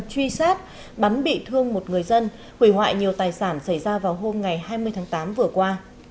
truy sát bắn bị thương một người dân hủy hoại nhiều tài sản xảy ra vào hôm ngày hai mươi tháng tám vừa qua